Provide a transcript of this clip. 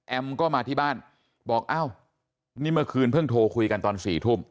ก็มาที่บ้านบอกอ้าวนี่เมื่อคืนเพิ่งโทรคุยกันตอน๔ทุ่ม